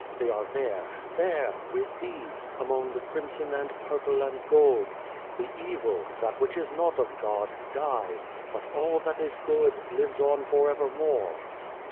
They are there, there, with Thee, among the crimson and purple and gold. The evil that which is not of God dies, but all that is good, lives on for evermore."